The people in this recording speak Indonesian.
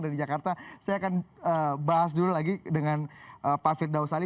saya akan bahas dulu lagi dengan pak firdaus ali